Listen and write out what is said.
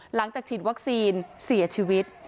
หลังจากฉีดวัคซีนเสียชีวิต